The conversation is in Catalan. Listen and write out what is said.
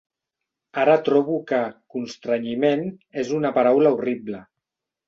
Ara trobo que “constrenyiment” és una paraula horrible.